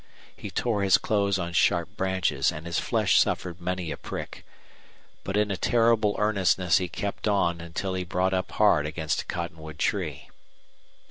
He tore his clothes on sharp branches and his flesh suffered many a prick. But in a terrible earnestness he kept on until he brought up hard against a cottonwood tree.